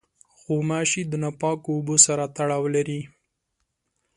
غوماشې د ناپاکو اوبو سره تړاو لري.